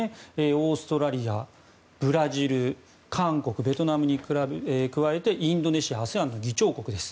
オーストラリア、ブラジル韓国、ベトナムに加えてインドネシアＡＳＥＡＮの議長国です。